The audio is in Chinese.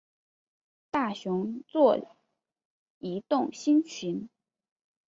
大熊座移动星群